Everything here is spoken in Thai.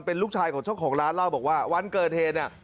เป็นลูกชายของช่องของร้านเล่าบอกว่าวันเกิดเทน